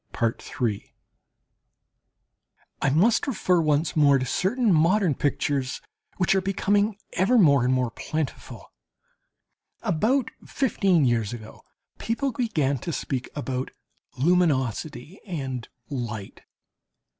I must refer once more to certain modern pictures, which are becoming ever more and more plentiful. About fifteen years ago people began to speak about "luminosity" and "light."